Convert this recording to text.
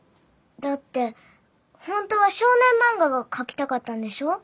だって本当は少年漫画が描きたかったんでしょう？